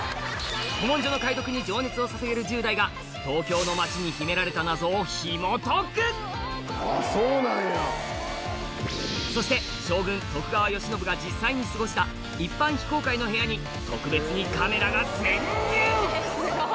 古文書の解読に情熱を捧げる１０代がそして将軍徳川慶喜が実際に過ごした一般非公開の部屋に特別にカメラが潜入！